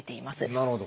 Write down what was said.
なるほど。